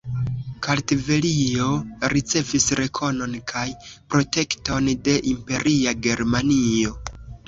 Kartvelio ricevis rekonon kaj protekton de Imperia Germanio.